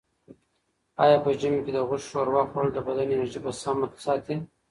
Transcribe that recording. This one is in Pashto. آیا په ژمي کې د غوښې ښوروا خوړل د بدن انرژي په سمه ساتي؟